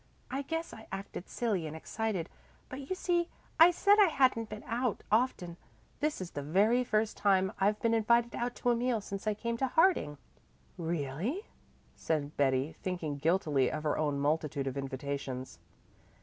"I guess I acted silly and excited, but you see I said I hadn't been out often this is the very first time I've been invited out to a meal since I came to Harding." "Really?" said Betty, thinking guiltily of her own multitude of invitations.